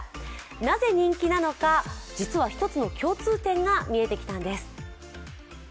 なぜ人気なのか、実は一つの共通点が見えてきたんです。